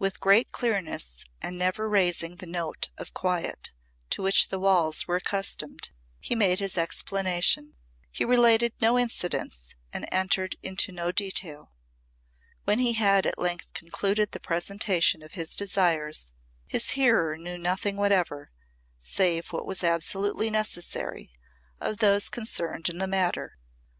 With great clearness and never raising the note of quiet to which the walls were accustomed, he made his explanation. He related no incidents and entered into no detail. When he had at length concluded the presentation of his desires, his hearer knew nothing whatever, save what was absolutely necessary, of those concerned in the matter.